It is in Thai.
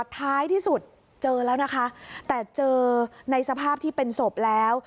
ท้ายที่สุดเจอแล้วนะคะแต่เจอในสภาพที่เป็นศพแล้ว